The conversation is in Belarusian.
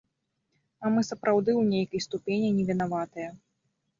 А мы сапраўды ў нейкай ступені не вінаватыя.